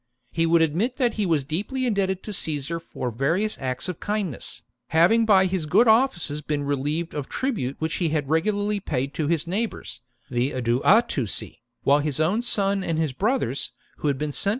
He would admit that he was deeply indebted to Caesar for various acts of kindness, having by his good offices been relieved of tribute which he had regularly paid to his neighbours, the Aduatuci, while his own son and his brother's, who had been sent 146 THE DISASTER AT ADUATUCA book 54 B.C.